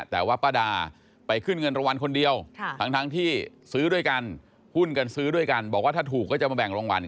แต่ว่าป้าดาไปขึ้นเงินรางวัลคนเดียวทั้งที่ซื้อด้วยกันหุ้นกันซื้อด้วยกันบอกว่าถ้าถูกก็จะมาแบ่งรางวัล